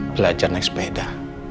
belajar naik sepeda